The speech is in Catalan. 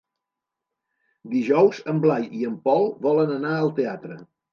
Dijous en Blai i en Pol volen anar al teatre.